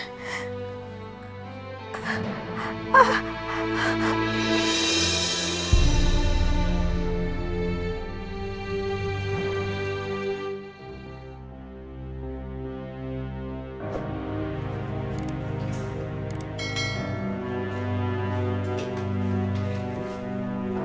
aku ada dimana